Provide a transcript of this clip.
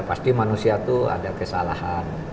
pasti manusia itu ada kesalahan